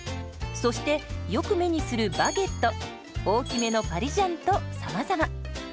そしてよく目にするバゲット大きめのパリジャンとさまざま。